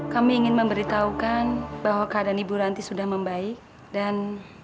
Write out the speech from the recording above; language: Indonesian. kami ingin memberitahukan bahwa keadaan ibu ranti sudah membaik dan